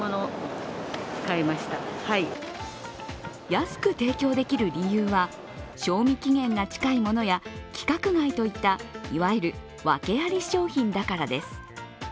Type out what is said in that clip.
安く提供できる理由は賞味期限が近いものや規格外といった、いわゆるワケあり商品だからです。